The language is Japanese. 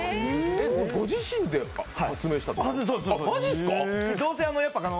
ご自身で発明したの？